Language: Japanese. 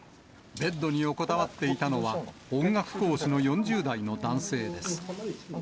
ベッドに横たわっていたのは、音楽講師の４０代の男性です。